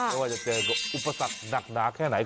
ไม่ว่าจะเจอกับอุปสรรคหนักหนาแค่ไหน